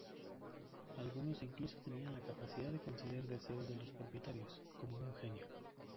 Algunos incluso tenían la capacidad de conceder deseos de los propietarios, como un genio.